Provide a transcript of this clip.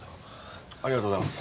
ありがとうございます。